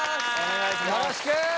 よろしく！